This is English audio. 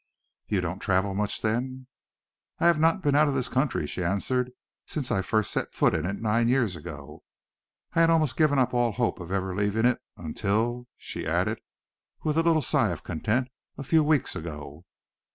"You don't travel much, then?" "I have not been out of this county," she answered, "since I first set foot in it, nine years ago. I had almost given up all hope of ever leaving it, until," she added, with a little sigh of content, "a few weeks ago."